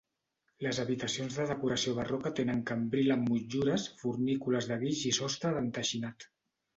Les habitacions de decoració barroca tenen cambril amb motllures, fornícules de guix i sostre d'enteixinat.